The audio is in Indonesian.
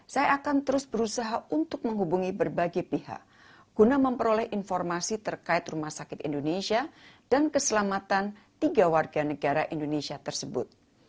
saya akan terus berusaha untuk menghubungi berbagai pihak guna memperoleh informasi terkait rumah sakit indonesia dan keselamatan tiga warga negara indonesia tersebut